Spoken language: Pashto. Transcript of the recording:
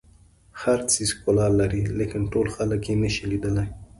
هر څیز ښکلا لري لیکن ټول خلک یې نه شي لیدلی.